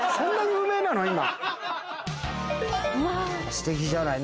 すてきじゃない。